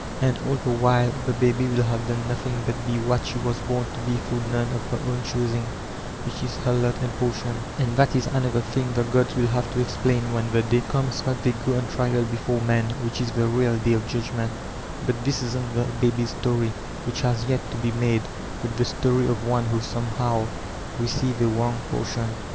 And all the while the baby will have done nothing but be what she was bom to be through none of her own choosing, which is her lot and portion; and that is an other thing the gods will have to explain when the day comes that they go on trial before men ; which is the real day of judgment But this isn't the baby's story, which has jret to be made, but the story of one who somehow received a wrong portion.